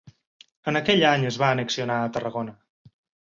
En aquell any es va annexionar a Tarragona.